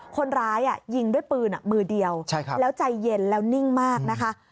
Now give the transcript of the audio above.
คนร้ายยิงด้วยปืนมือเดียวแล้วใจเย็นแล้วนิ่งมากนะคะ